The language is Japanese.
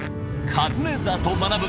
『カズレーザーと学ぶ。』